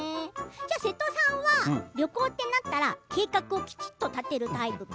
瀬戸さんは旅行ってなったら計画をきちんと立てるタイプか